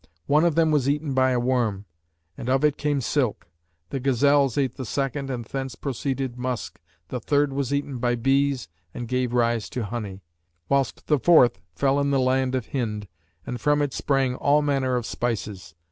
One of them was eaten by a worm, and of it came silk: the gazelles ate the second and thence proceeded musk, the third was eaten by bees and gave rise to honey, whilst the fourth fell in the land of Hind and from it sprang all manner of spices.